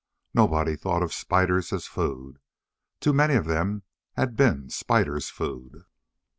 Nobody thought of spiders as food. Too many of them had been spiders' food.